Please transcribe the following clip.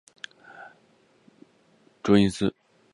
卓颖思。